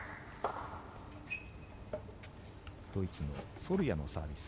ドイツのソルヤのサービス。